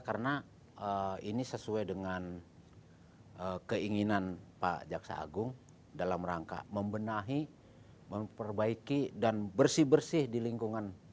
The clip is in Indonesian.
karena ini sesuai dengan keinginan pak jaksa agung dalam rangka membenahi memperbaiki dan bersih bersih di lingkungan